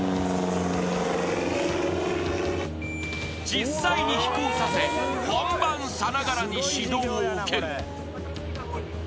［実際に飛行させ本番さながらに指導を受ける］